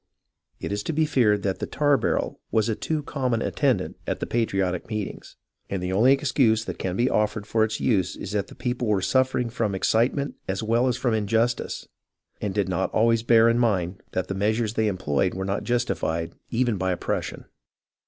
It is to be feared that the "tar barrel" was a too com mon attendant at the patriotic meetings, and the only excuse that can be offered for its use is that the people were suffer ing from excitement as well as from injustice, and did not always bear in mind that the measures they employed were not justified even by oppression.